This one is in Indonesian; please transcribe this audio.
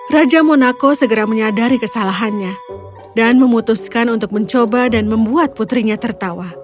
raja monaco segera menyadari kesalahannya dan memutuskan untuk mencoba dan membuat putrinya tertawa